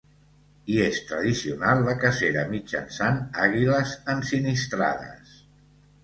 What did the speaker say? Hi és tradicional la cacera mitjançant àguiles ensinistrades.